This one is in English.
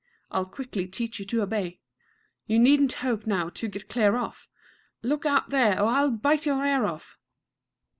I'll quickly teach you to obey. You needn't hope now to get clear off: Look out there, or I'll bite your ear off!